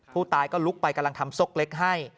ผู้ตายก็ลุกไปกำลังทำซกเล็กให้